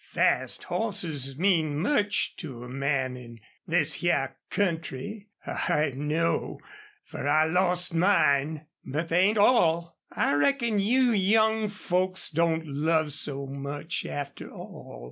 Fast hosses mean much to a man in this hyar country. I know, fer I lost mine! ... But they ain't all.... I reckon you young folks don't love so much, after all."